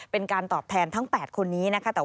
เป็นการตอบแทนทั้ง๘คนนี้นะคะ